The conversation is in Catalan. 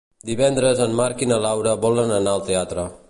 Divendres en Marc i na Laura volen anar al teatre.